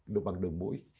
được bằng đường mũi